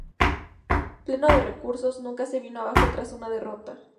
Pleno de recursos, nunca se vino abajo tras una derrota.